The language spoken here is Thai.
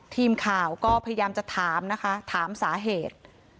ทีมข่าวก็พยายามจะถามนะคะถามสาเหตุ